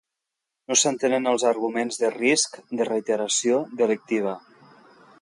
No s'entenen els arguments de "risc de reiteració delictiva".